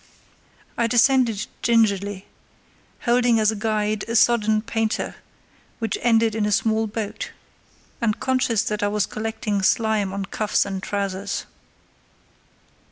I descended gingerly, holding as a guide a sodden painter which ended in a small boat, and conscious that I was collecting slime on cuffs and trousers.